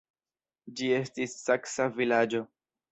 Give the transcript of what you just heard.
Ĝi estis saksa vilaĝo.